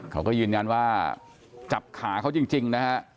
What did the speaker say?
เขาก็ยืนยันว่าจับขาเขาจริงนะฮะ